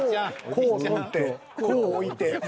「こ」を取って「こ」を置いて。